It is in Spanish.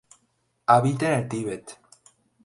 Habita en el Tíbet.